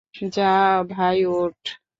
যা ভাই ওঠ।